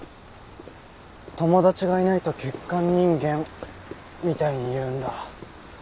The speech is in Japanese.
友達がいないと欠陥人間みたいに言うんだうちの親。